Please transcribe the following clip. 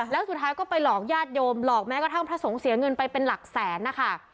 แล้วสุดท้ายก็ไปหลอกญาติโยมหลอกแม้กระทั่งพระสงฆ์เสียเงินไปเป็นหลักแสนนะคะ